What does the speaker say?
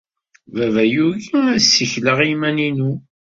Baba yugi ad ssikleɣ i yiman-inu.